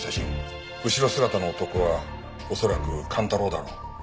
後ろ姿の男は恐らく寛太郎だろう。